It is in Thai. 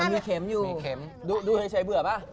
มันคืออะไรทางนี้ถ่ายไว้มันมีเค็มอยู่ดูใช่เบื่อเปล่า